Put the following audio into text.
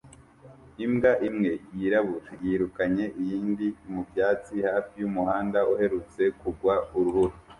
Imbwa imwe yirabura yirukanye iyindi mubyatsi hafi yumuhanda uherutse kugwa urubura